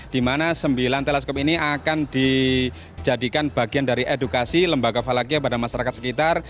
di mana sembilan teleskop ini akan dijadikan bagian dari edukasi lembaga falakia pada masyarakat sekitar